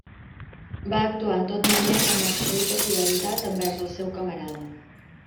Va actuar en tot moment amb absoluta fidelitat envers el seu camarada.